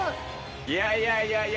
いやいやいやいや！